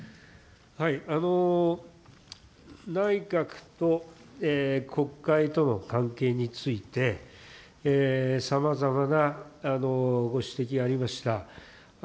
内閣と国会との関係について、さまざまなご指摘がありました。